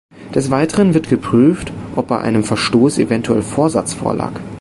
Des Weiteren wird geprüft, ob bei einem Verstoß eventuell "Vorsatz" vorlag.